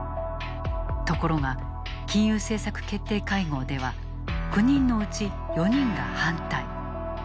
ところが、金融政策決定会合では９人のうち４人が反対。